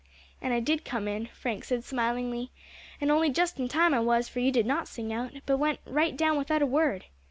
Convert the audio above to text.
"And I did come in," Frank said smilingly, "and only just in time I was, for you did not sing out, but went right down without a word.